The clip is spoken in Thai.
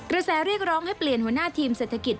แสเรียกร้องให้เปลี่ยนหัวหน้าทีมเศรษฐกิจ